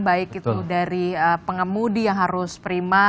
baik itu dari pengemudi yang harus prima